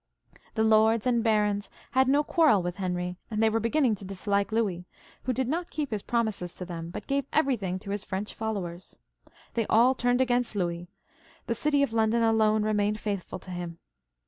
The lords and barons had no quarrel with Henry, and they were beginning to dislike Louis, who did not keep his promises to them, but gave everything to his French followers. They all turned against Louis ; the city of London alone remained faithful to him.